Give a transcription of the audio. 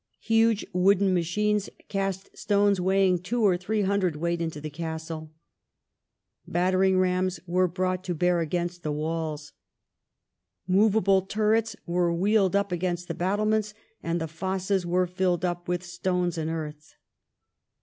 Huge wooden machines cast stones weighing two or three hundredweight into the castle. Battering rams were brought to bear against the walls. Movable turrets were wheeled up against the battlements, and the fosses were filled up with stones and earth.